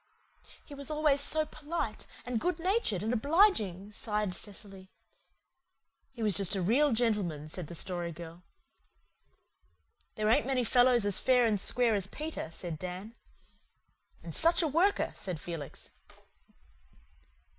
"He was always so polite and good natured and obliging," sighed Cecily. "He was just a real gentleman," said the Story Girl. "There ain't many fellows as fair and square as Peter," said Dan. "And such a worker," said Felix.